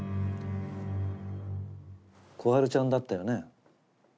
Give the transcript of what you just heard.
心春ちゃんだったよね？